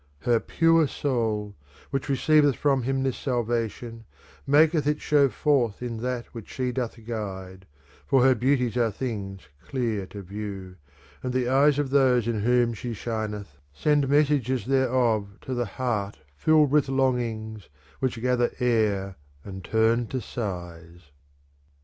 Iler pure soul, which 135 136 THE CONVIVIO receiveth from him this salvation, maketh it show forth in that which she doth guide ; for her beauties are things clear to view, and the eyes of those in whom she shineth send messages thereof to the heart filled with longings which gather air and turn to sighs.